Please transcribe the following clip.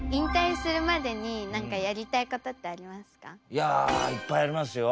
いやいっぱいありますよ。